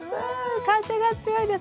風が強いです。